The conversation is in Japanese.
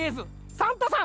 サンタさん！